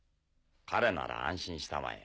彼なら安心したまえ